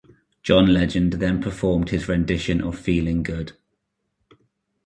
John Legend then performed his rendition of "Feeling Good".